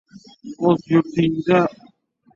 • O‘z yurtingda — oqsoqolsan, o‘zga yurtda — qari ko‘ppak.